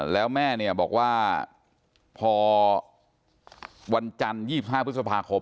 แล้วแม่เนี่ยบอกว่าพอวันจันทร์๒๕พฤษภาคม